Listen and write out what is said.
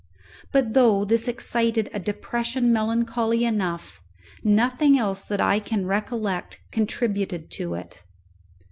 But though this excited a depression melancholy enough, nothing else that I can recollect contributed to it.